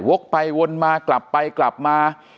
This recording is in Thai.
ไปวนมากลับไปกลับมา